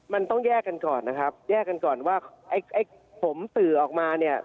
มันต้องแยกกันก่อนนะครับแยกกันก่อนว่าไอ้ผมสื่อออกมาเนี่ย